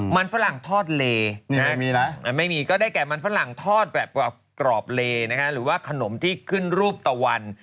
ประเทศทะเลหรือว่าขนมที่ขึ้นรูปตะวัน